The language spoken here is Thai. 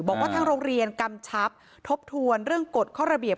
บอกว่าทางโรงเรียนกำชับทบทวนเรื่องกฎข้อระเบียบ